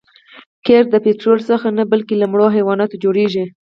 قیر د پطرولو څخه نه بلکې له مړو حیواناتو جوړیږي